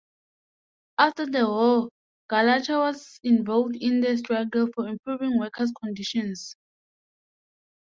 After the war Gallacher was involved in the struggle for improving workers' conditions.